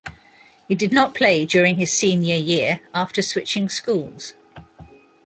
He did not play during his senior year after switching schools.